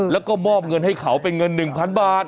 แล้วก็มอบเงินให้เขาเป็นเงิน๑๐๐๐บาท